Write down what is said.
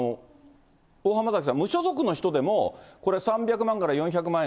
大濱崎さん、無所属の人でも、これ３００万から４００万円